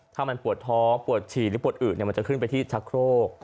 ถ้ามันปวดท้องปวดฉี่หรือปวดอื่นมันจะขึ้นไปที่ชักโครก